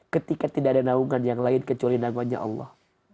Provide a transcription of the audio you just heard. ketika tidak ada naungan yang lain kecuali naungannya allah